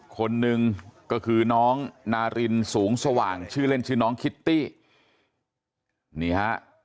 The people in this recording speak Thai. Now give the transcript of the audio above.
คนหนึ่งก็คือน้องนารินสูงสว่างชื่อเล่นชื่อน้องคิตตี้นี่ฮะ